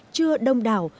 chưa đông đảo